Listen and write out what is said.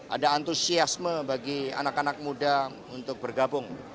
ada antusiasme bagi anak anak muda untuk bergabung